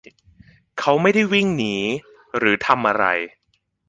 เขาไม่ได้วิ่งหนีหรือทำอะไร